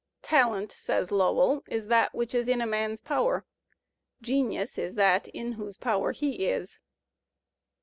"Talent," says Lowell, "is that which is in a man's power; genius is that in whose power he is."